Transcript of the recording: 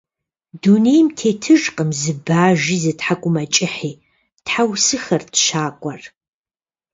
Дунейм тетыжкъым зы бажи, зы тхьэкӀумэкӀыхьи! – тхьэусыхэрт щакӀуэр.